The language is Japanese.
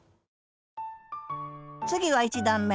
次は１段め。